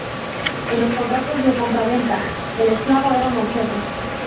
En los contratos de compra-venta, el esclavo era un objeto.